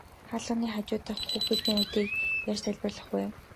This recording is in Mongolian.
Хаалганы хажуу дахь хүүхэлдэйнүүдийг яаж тайлбарлах вэ?